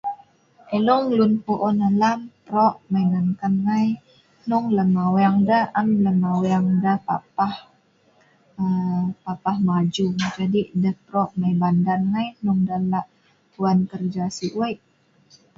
Elong lun puun alam prok mai ma enkan ngai hnung lem aweng deh am lem aweng deh papah aa.. maju, jadi deh prok mai bandar ngai hnung deh lak wan kerja si wei'.